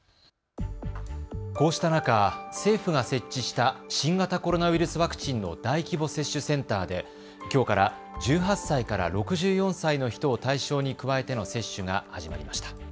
こうした中、政府が設置した新型コロナウイルスワクチンの大規模接種センターできょうから１８歳から６４歳の人を対象に加えての接種が始まりました。